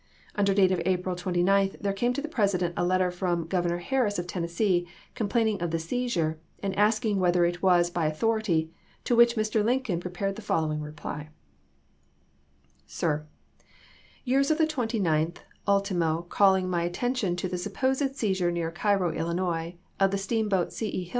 Under date of April 29 there came to the President a letter from Governor Harris of Tennessee complaining of the seizure, and asking whether it was by authority, to which Mr. Lincoln prepared the fol lowing reply: Sir : Yours of the 29th ultimo calling my attention to the supposed seizure near Cairo, Illinois, of the steamboat C. E.